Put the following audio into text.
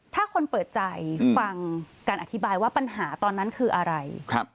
ถ้าคนเปิดใจฟังการอธิบายว่าปัญหาตอนนั้นคืออะไร